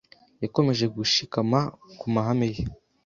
Yakomeje gushikama ku mahame ye.